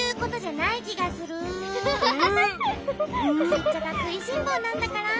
シッチャカくいしんぼうなんだから。